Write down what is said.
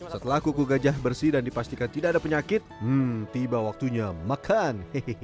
setelah kuku gajah bersih dan dipastikan tidak ada penyakit hmm tiba waktunya makan